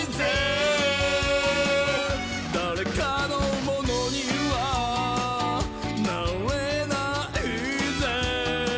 「だれかのものにはなれないぜ」